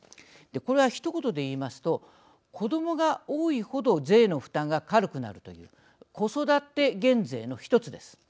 これはひと言で言いますと子どもが多い程税の負担が軽くなるという子育て減税の１つです。